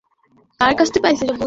তুমি ভালো মানুষ।